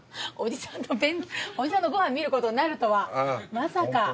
おじさんのご飯見ることになるとはまさか。